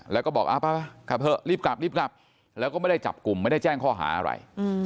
แล้วก็บอกกลับเถอะรีบกลับรีบกลับแล้วก็ไม่ได้จับกลุ่มไม่ได้แจ้งข้อหาอะไร